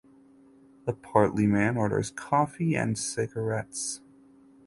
The portly man orders coffee and cigarettes.